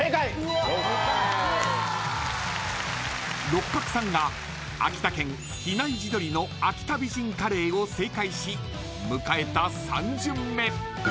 ［六角さんが秋田県比内地鶏の秋田美人カレーを正解し迎えた３巡目］